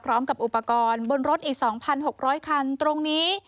พร้อมกับอุปกรณ์บนรถอีก๒๖๐๐คันตรงนี้